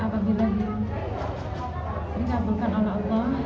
apabila dikabungkan oleh allah